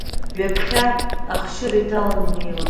Ҩаԥхьа ахшьыра иҭаланы инеиуан.